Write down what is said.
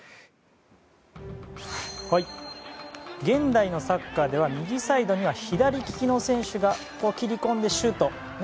現代のサッカーでは右サイドには左利きの選手が切り込んでシュート。